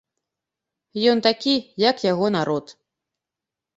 Ён такі, як яго народ.